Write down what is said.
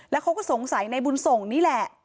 แล้วเขาก็สงสัยในบุญส่งนี่แหละ